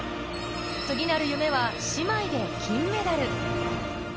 次なる夢は姉妹で金メダル。